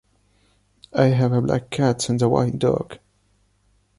I have a black cat and a white dog.